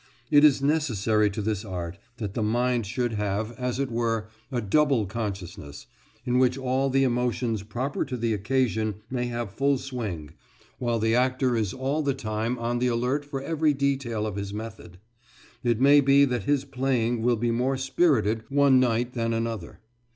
It is necessary to this art that the mind should have, as it were, a double consciousness, in which all the emotions proper to the occasion may have full swing, while the actor is all the time on the alert for every detail of his method. It may be that his playing will be more spirited one night than another.